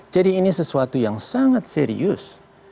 jadi ini sesuatu yang sangat serius